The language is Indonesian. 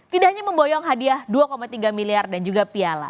tidak hanya memboyong hadiah dua tiga miliar dan juga piala